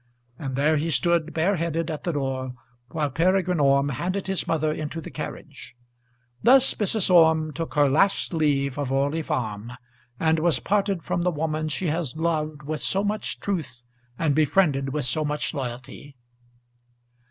And there he stood bare headed at the door while Peregrine Orme handed his mother into the carriage. Thus Mrs. Orme took her last leave of Orley Farm, and was parted from the woman she had loved with so much truth and befriended with so much loyalty.